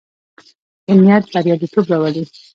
ښه نيت برياليتوب راوړي.